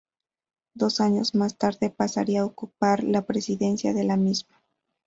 Dos años más tarde pasaría a ocupar la presidencia de la misma.